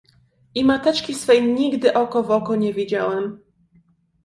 "I mateczki swej nigdy oko w oko nie widziałem."